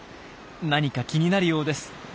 何か気になるようです。